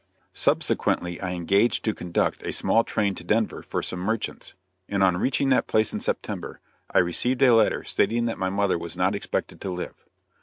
Subsequently I engaged to conduct a small train to Denver for some merchants, and on reaching that place in September, I received a letter stating that my mother was not expected to live.